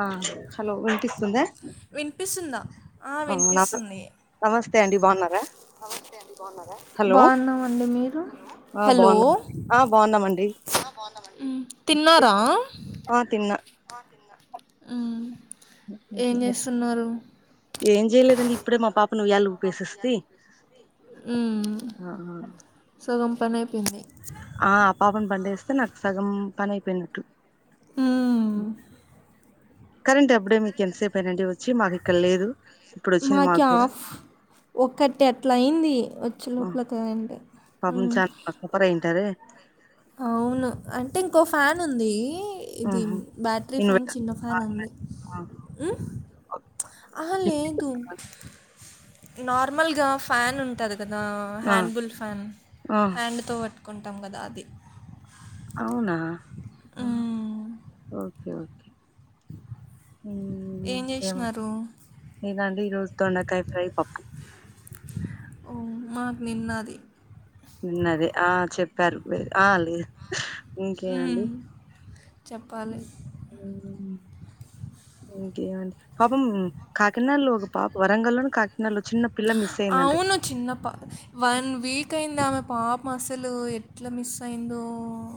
ఆ హలో విపిస్తుంద వినిపిస్తుందా ఆ వినిపిస్తుంది స్తె అండి బాగున్నారా హలో బాగున్నామండి మీరు హలో మండి ఉం తిన్నారా ఆ తిన్నా ఉమ్ ఎం చేస్తున్నారు ఏం చేయలేదండి ఇప్పుడే మా పాప్ ఉమ్ ఆ సగం పనయిపోయింది ఆ ఆ పాపని పండేస్తే నాకు సగం పని అయిపోయినట్టు మ్మ్ బఓ కరెంట్ అప్పుడే మీకు ఎంతసేపుయినండి వచ్చి మాకు ఇక్కడ లేదు ఇప్పుడు వచ్చింది మాకి మాకు కూడా ఆఫ్ ఒకటి అట్లా అయింది ఆ, చూప్లకెయండి ఉంటర్ గా అవును అంటే ఇంకో ఫ్యాన్ ఉంది ఇది ఆహా బ్యాటరీ ఫ్యాన్ ఇన్వర్టర్ చిన్న ఆ ఫ్యాన్ ఉంది ఆహా, ఉమ్ ఓకే. నార్మల్గా ఫ్యాన్ ఉంటది కదా ఆ హ్యాండ్బుల్ ఫ్యాన్ ఆ, హ్యాండ్తో పట్టు కొంటాం కదా అది అవునా మ్మ్. ఓకేఓ ఏం చేసినారు? నేనండి ఈరోజు దొండకాయ ఫ్రై, పప్పు ఓ మాకు నిన్నది నిన్నదే ఆ చెప్పారు వె ఆ లేదు ఇంకేమండి మ్మ్. చెప్పాలి ఉ ఇంకేం అండి పాపం కాకినాడలో ఒక పాప వరంగల్ల్లోని కాకినాడలో చిన్న పిల్ల మిస్ అయిందంట అవును చిన్నప్ప వన్ వీక్ అయింది ఆమె పాప అసలు ఎట్లా మిస్ అయిందో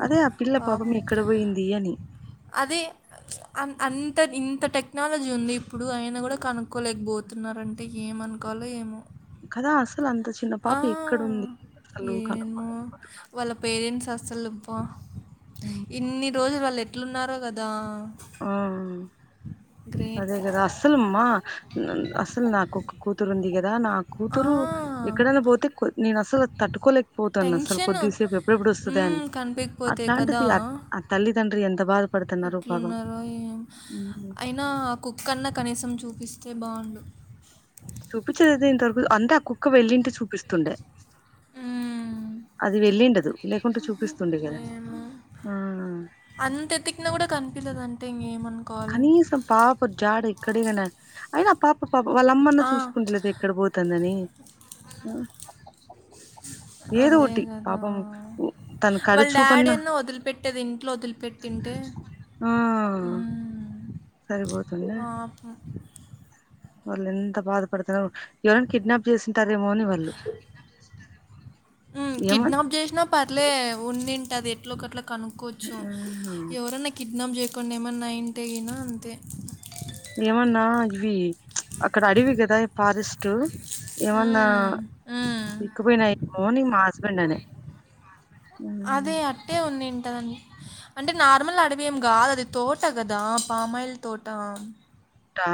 అదే ఆ పిల్ల పాపం ఎక్కడ పోయింది అని అదే అన్అన్ ఇంత ఇంత టెక్నాలజీ ఉంది ఇప్పుడు అయిన కూడా కనుక్కోలేకపోతున్నారంటే ఏమనుకోవాలో ఏమో కదాస్ ఆ అసలు ఏమో కనుక్కోలేకపోతున్నా వాళ్ళ పేరెంట్స్ అస్సలుంప ఇన్ని రోజులు వాళ్ళు ఎట్లున్నారో కదా ఆ అదే గ్రేట్. కదా అస్సలు అమ్మా న అసలు నాకు కూతురు ఉందిగద దా నా ఆ! కూతురు ఎక్కడైనా పోతే కొ నేను అసలు తట్టుకోలేకపోతాను అసలు టెన్షను. కొద్దిసేపు ఎప్పుడెప్పుడు ఇప్పుడు వస్తుందన్ హ్మ్. కనిపీయకపోతే కదా! అట్లాంటిది ఆ తల్లిదండ్రి ఎంత బాధపడుతున్నారు పాపం ఎట్లున్నారో ఉ అయినా కుక్కన్నా కనీసం చూపిస్తే బావుండు చూపించ లేదే ఇంతవరకు అంత అ కుక్క వెళ్ళింటి చూపిస్తుండే ఆ అది వెళ్ళిండదు లేకకుంటే చూపిస్తుండే కదా ఏమో! ఆ అంత ఎతికినా కూడా కనిపలేదుంటే ఇంకేం కనీసం పాప జాడు ఇక్కడగానే అయినా పాప పాపం వాళ్ళమ్మన్నా ఆ! చూసుకుంటలేదు ఎక్కడ పోతుందని ఏదో అదే ఒటి గదా! పాపం ఉ తన కడ వాళ్ళ డాడీ చూపన్నా అన్న వదిలిపెట్టేది ఇంట్లో వదిలిపెట్టింటే ఆ మ్ పాపం వాళ్లు ఎంత బాధపడుతురు ఎవరన్న కిడ్నాప్ చేసి మ్ ఏమో కిడ్నాప్ చేసినా పర్లే ఉందిం టది ఎట్లో కట్ల కనుకోవచ్చు ఆ! ఎవరన్న కిడ్నాప్ చే కొన్ని ఏమన్నా అయింటేగిన అంతే ఏమన్నా ఇవి అక్కడ అడవి కదా ఈ ఫారెస్ట్ ఏమన్నా హ్మ్. హ్మ్. పిక్కుపోయినాయి మార్నింగ్ మా హస్బెండ్ అనే అదే అట్టే ఉందింటదం అంటే నార్మల్ అడవి ఏం కాదు అది తోట కదా పామాయిల్ తోట టా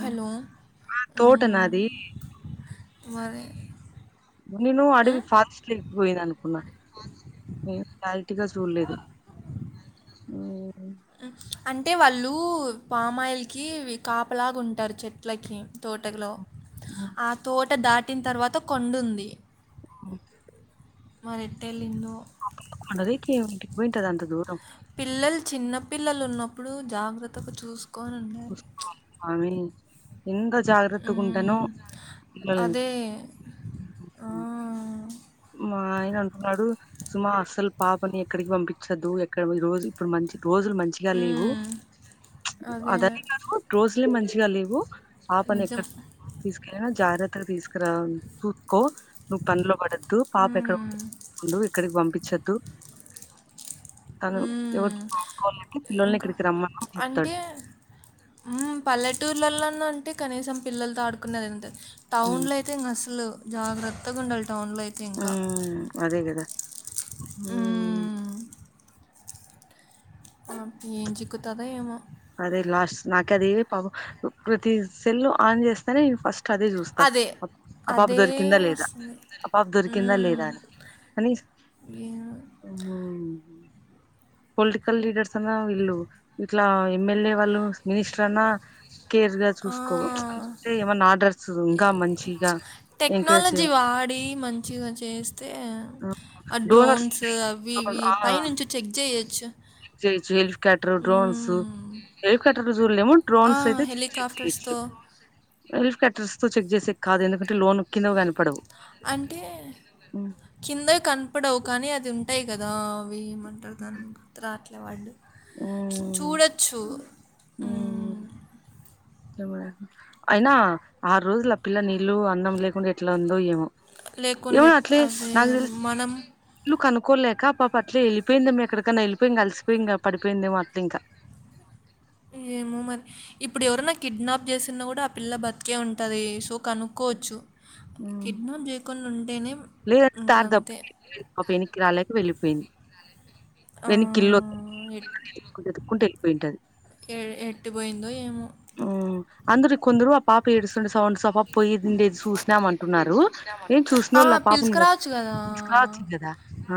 హలో తోట మ్ నాది మరి నేను అడవి హ్మ్. ఫాస్ట్క్కిపోయింది అనుకున్నా చూల్లేదు మ్ అంటే వాళ్ళు పామాయిలకి ఇవి కాపలాగా ఉంటారు చెట్లకి తోటలో ఆ తోట దాటిన తర్వాత కొండుంది. ఓ మరెట్టలిన్దో అదకింటి వింటది అంత దూరం పిల్లలు చిన్న పిల్లలు ఉన్నప్పుడు జాగ్రత్తగా చూసుకొ చూసుకోవాలి అమి ఇంగ జాగ్రత్తగ ఉంటాను మ్మ్. మల్ అదే ఆ. మా ఆయన అంటున్నాడు సుమా అస్సల్ పాపని ఎక్కడికి పంపించద్దు ఎక్కడ ఈరోజు ఇప్పుడు మంచి రోజులు మంచిగా లేవు మ్మ్. అదే అదనే కాదు రోజులే మంచిగా లేవు పాపను నిజం ఎక్కడ తీసుకెళ్ళిన జాగ్రత్తగా తీసుకురా కో నువ్వు పనిలో పడద్దు పాప ఎక్కడ మ్మ్. ఎక్కడికి పంపించద్దు తను హ్మ్. ఎవరితో పడుకోవాలంటే పిల్లల్ని ఇక్కడికి రమ్మని చెప్తాడు ఉమ్ పల్లెటూర్లలోన ఉంటే కనీసం పిల్లలతో ఆడుకున్నది ఉంటది టౌన్ ఉమ్ లో అయితే ఇంగ అసలు జాగ్రత్తగా ఉండల్ టౌన్ లో అయితే ఇంకా ఉమ్ అదే కదా ఉమ్ నాకు ఏం చిక్కుతాదో ఏమో అదే లాస్ట్ నాక అది పాప ప్రతి సెల్ ఆన్ చేస్తేనే ఫస్ట్ అదే చూస్తా అదే. ఆ పాప అదే దొరికిందా లేదా అసలు. ఆ పాప దొరికిందా హ్మ్. లేదా అని అనీ ఏమో. ఊ పొలిటికల్ లీడర్స్ అన్నా వీళ్ళు ఇట్లా ఎమ్మెల్యే వాళ్ళు మినిస్టర్ అన్నా కేర్ గా ఆ! చూసుకో అంటే ఏమన్నా ఆర్డర్స్ ఎ ఇంకా మంచిగా ఎంకరేజ్ చేయ టెక్నాలజీ వాడి మంచిగా చేస్తే ఆ డోనర్స్ డ్రోన్స్ అవి ఉంటాయి ఇ పైనుంచి చెక్ చెయొచ్చు చెక్ జేయచ్చు హెలికాప్టర్ డ్రోన్స్ హెలికాప్టర్ ఏమో ఆ! డ్రోన్స్ అయితే [inaudible] హెలికాప్టర్స్‌తో డ్రస్ చెక్ చేసే కాదు ఎందుకంటే లోన్ కింద కనపడవు అంటే ఉమ్ కింద కనపడవు కానీ అది ఉంటాయి కదా ఏమంటారు దాన్ని గుర్తు రావట్లేదు వర్డ్ ఉమ్ చూడచ్చు ఆ ఉమ్ అయినా ఆరు రోజులు ఆ పిల్ల నీళ్లు అన్నం లేకుండా ఎట్ల ఉందో ఏమో ఏమ లేకుండే అట్లే అదే అది నాకుదెల్సి మనం ఇల్లు కను కోలేక ఆ పాప అట్లే వెళ్ళపోయింది మ్మే ఎక్కడికన్నా వెళ్ళిపోయింగ అలిసిపోయి ఇంగ పడిపోయిందేమో అట ఇంకా ఏమో మరి ఇప్పుడు ఎవరైనా కిడ్నాప్ చేసిన కూడా ఆ పిల్ల బతికే ఉంటది సో కనుక్కోవచ్చు కిడ్నాప్ చేయకుండ ఉంటేనే లేదంటే ఇంక దారి అంతే. తప్పి పాప వెనిక్కి రాలేక వెళ్ళిపోయింది వెన్న ఆహ్, ఎట్ కిల్లుక్కుంటూ వెళ్ళిపోయింటది ఎ ఎటు పోయిందో ఏమో! ఆ అందరు కొందరు ఆ పాప ఏడ్స్తుండి సండ్ స డేది చూసినాం అంటున్నారు ఏం ఆ చూసినోళ్ళ పిలుసుకురావచ్చు కదా పాపసురా వచ్చింది కదా ఆ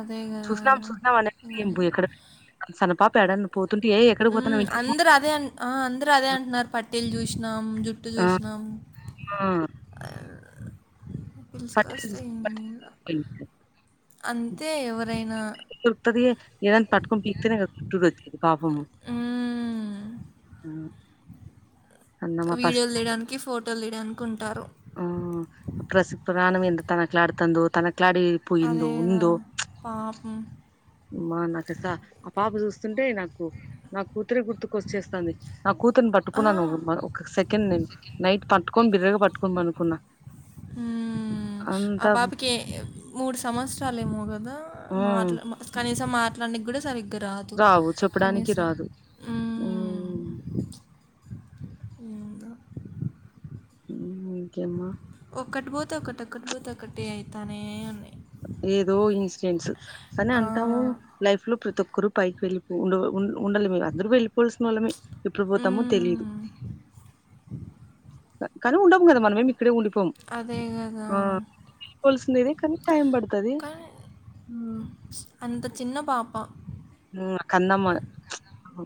అదే కదా చూసినాం చూసినాం అ ఏం ఇక్కడ సన పాప ఎడన పో అందరు అదే అ ఆ అందరు అదే అంటున్నారు పట్టీలు జూసినాం జుట్టు ఆ జూసినాం ఆ పట్టీల్ పిలుచుకొస్తే ఏం లేదు. పట్టీల్ అంతే ఎవరైనా రుతది ఏదన్ పట్కుం పికితేనే పాపం మ్మ్. ఉ వీడియోలు తీయడానికి, ఫోటోలు తీయడానికి ఉంటారు. ఆ ప్రసి ప్రాణవింద తనకులాడుతందు తనకు అదేద పాపం మనాకస ఆ పాప చూస్తుంటే నాకు నాకు కూతురి గుర్తుకే వచ్చేస్త వంది నా కూతుర్ని పట్టుకున్నాను ఆ. ఒక సెకండ్ నేను నైట్ పట్టుకొని బిర్రగా పట్టుకొని పనుకున్నా మ్ అంత ఆ పాపకి మూడు సంవత్సరాలు ఏమో కదా ఉ మాట్లా కనీసం మాట్లాడడానికి కూడా సరి కారాదు రావు చెప్పడానికి కనీసం రాదు మ్ మ్మ్ ఇంకేంమ్మ ఒక్కటి పోతే ఒకటి ఒక్కటి పోతే ఒక్కటే అయితానే అన్ని ఏదో ఇన్సిడెంట్స్ కానీ ఆ! అంటాము లైఫ్ లో ప్రతి ఒకరు పైకి వెళ్ళి ఉండ ఉండాలి మీరు అందరు వెళ్ళి పోలీస్ మూలమే ఎప్పుడు పోతామో తెలీదు హ్మ్. కానీ ఉండము కదా మనమేమి ఇక్కడే ఉండిపోం అదే గదా! ఆ వల్సిందిదే కానీ టైం పడుతది కానీ బ మ్ కందమ్మ ఆహా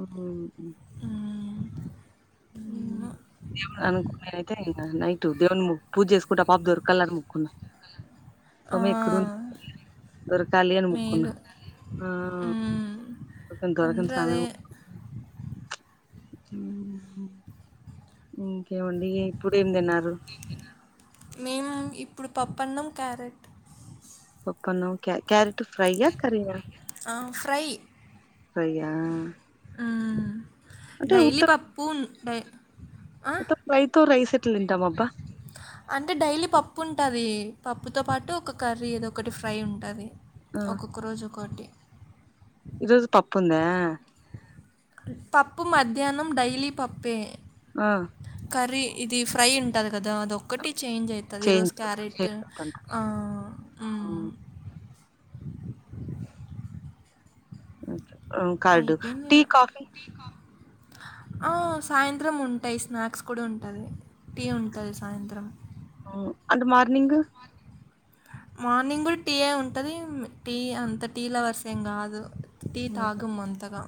అవును హ్మ్. ఏమో. దేవన్ అనుకో అయితే నిన్న నైట్ దేవన్ము పూజ చేసుకుంటా పాప దొరకళని ముక్కున్నా ఆ దొరకాలి అని ముకున్నా మేలు. ఆ హ్మ్. దరఖ అందరూ సమము అదే ఉహు ఉ ఏవండి ఇప్పుడు ఏం తిన్నారు? మేము ఇప్పుడు పప్పన్నం క్యారెట్ ప్పన్నం కె కెరట్ ఫ్రైయా, కరీనా ఆ, ఫ్రై మ్మ్. అంటే ఉత్త డైలీ పప్పు ఉన్ ఫ్రై ఫ్రై తో రైస్ ఎట్లా తింటాం అబ్బా అంటే డైలీ పప్పు ఉంటది. పప్పుతో పాటు ఒక కర్రీ ఏదో ఒకటి ఫ్రై ఉంటది ఆ ఒక్కొక్క రోజు ఒకోటి ఈరోజు పప్పు ఉందా? పప్పు మధ్యాహ్నం డైలీ పప్పె ఆ కర్రీ ఇది ఫ్రై ఉంటది కదా అదొక్కటి చేంజ్ అయితది చేంజ్ ఈరోజు క్యారెట్ చేంజ్ అవుతుంటా. ఆ మ్ ఉమ్, కడు అయిపోయింది టీ కాఫీ ఆ సాయంత్రం ఉంటాయి స్నాక్స్ కూడా ఉంటది. టీ ఉంటది సాయంత్రం ఉ అంత మార్నింగ్ మార్నింగ్ కూడా టీయ ఉంటది టీ అంత టీ లవర్స్ ఏం కాదు. టీ ఉమ్, తాగం అంతగా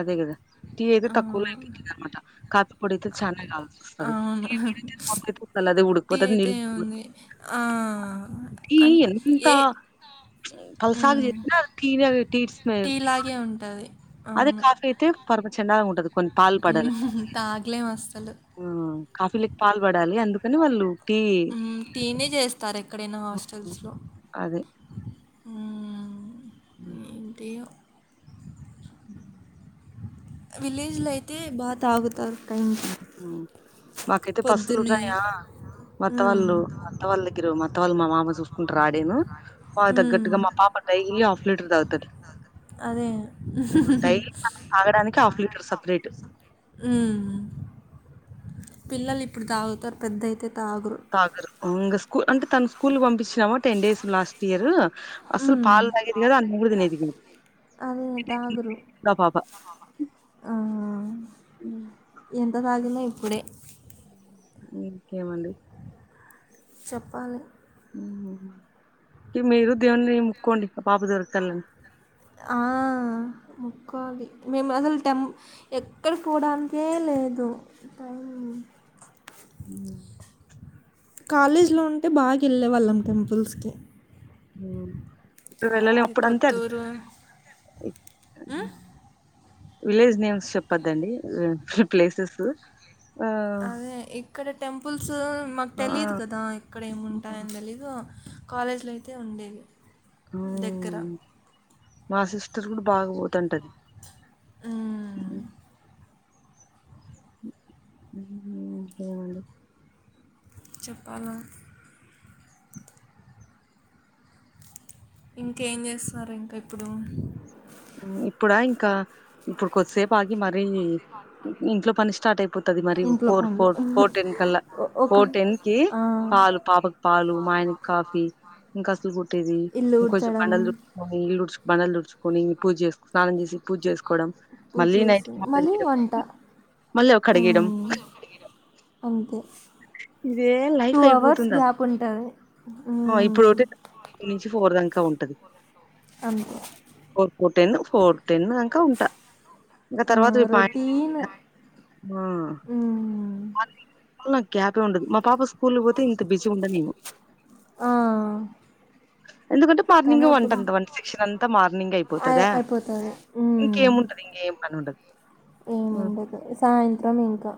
అదే కదా టీ అయితే ఆ, తక్కువలో అయిపోతది అనమాట కాఫి పొడి అయితే చాలా కావల్సి వస్తది అవును టీ పొడి అయితే ప అల్దే టీ ఉడుకుపోతు అది అయితే నిల్పో ఏముంది ఆ, ఈ అన్ ఎంత ఏ కల్సాగ జతే తీన తీర్స్ మ ఇలాగే ఉంటది అది కాఫీ అయితే పరమచండాలం ఉంటదు కొన్ని పాలు పడాలి కద ఉమ్, తాగలేం అస్సలు ఆ కాఫీలకి పాలు పడాలి అందుకని వాళ్ళు టీ టీనే చేస్తారు ఎక్కడైనా హ్మ్. హాస్టల్స్లో అదే ఇంటీ ఉ విలేజ్లో అయితే బా తాగుతారు టైంకి అ మాకైతే పశులు పొద్దున్నే ఉన్నాయా మత్త ఉమ్, వాళ్ళు మత్త వాళ్ళ దగ్గర మ తత్త వాళ్ళు మా మామ చూసుకుంట ఆడెను వా తగ్గట్టుగా ఉమ్. మా పాప డైలీ హాఫ్ లీటర్ తాగుతాది అదే డైలీ తాను తాగడానికి హాఫ్ లీటర్ సపరేట్ ఉ పిల్లలు ఇప్పుడు తాగుతారు పెద్దయితే తాగరు ఇంకా స్కూల్ అంటే తను స్కూల్ పంపించినామా టెన్ డేస్ లాస్ట్ ఇయర్ అసలు హ్మ్. పాల తాగేది కాదు అన్నం కూడా తెనదికిదు అదే తాగరు ఇంకా పాప ఆ హ్మ్. ఎంత తాగిన ఇప్పుడే ఇంకేమండి చెప్పాలి మీరు దేవుని ముక్కోండి ఇ పాప దొరకాలని ఆ ముక్కది మేము అసలు టెం ఎక్కడికి పోవడానికే లే ఏదు టైం హ కాలేజీలో ఉంటే బాగా వెళ్ళేవాళ్ళం టెంపుల్స్కి హ ఇప్పుడు వెళ్ళలే ఈ అప్పుడు అంతే అది కొత్తూరు హ్మ్? విలేజ్ నేమ్స్ చెప్పద్దండి ప్లేసెస్ ఆ అదే ఇక్కడ టెంపుల్స్ మాకు ఆ తెలీదు కదా ఇక్కడ ఏమింటాయని తెలీదు కాలేజీలో అయితే ఉండేవి దగ్గర హ్మ్. మా సిస్టర్ కూడా బాగా పోతుంటది మ్మ్. ఇంకేమండి చెప్పాల ఇంకా ఏం చేస్తున్నారు ఇంకా ఇప్పుడు ఇప్పుడా ఇంకా ఇప్పుడు కొద్దిసేపు ఆగి మరీ ఇంట్లో పని స్టార్ట్ అయిపోతుది మరి ఇంట్లో ఫోర్ పనులు ఫోర్ ఫోర్ టెన్ కల్లా ఒ- ఒక ఫోర్ టెన్ కి ఆ, పాలు పాపకు పాలు మా ఆయన కాఫీ ఇంకా అసలు కుట్టేది ఇల్లు ఇంకంచెం ఊడ్చడం బండలు దుడుకొని ఇల్లుుచుకు పండలుడుచుకొని పూజ చే స్నానం చేసి పూజ చేసుకోవడం పూ మళ్ళీ నైట్ చేసి కి మళ్ళీ చేయడం వంట మళ్ళీ అవి కడిగేయడం అంతే ఇదే టూ లైఫ్ అవర్స్ అయిపోతుందా గ్యాప్ ఉంటుంది ఇప్పుడు మ్మ్. ఒకటి నుంచి పోరదాం ఇంకా ఉంటది అంతే four four ten four ten అంకా ఉంటా ఇంకా తర్వాత ప రొటీన్ ఆ గ్యాప్ ఏ ఉండదు మా పాప స్కూల్ పోతే ఇంత బిజి ఉండ నేము ఆ ఎందుకంటే కానీ మార్నింగ్ అప్పుడు వంటంత వంట సిక్షన్ అంతా మార్నింగ్ అయి అయిపోతుదా అయిపోతది ఇంకేముంటది ఇం పని ఉండాదు ఏమిండదు సాయంత్రం ఇంకా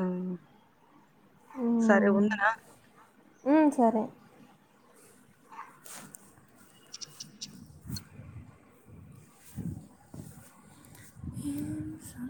హ్మ్. సరే ఉండనా మ్ సరే మ్ స